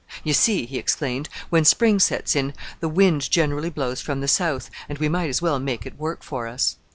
"You see," he explained, "when spring sets in the wind generally blows from the south, and we might as well make it work for us."